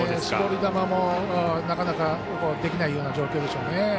絞り球もなかなかできないような状況でしょうね。